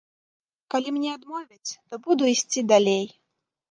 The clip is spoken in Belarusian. Калі мне адмовяць, то буду ісці далей.